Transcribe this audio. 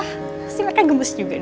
pasti mereka gemes juga deh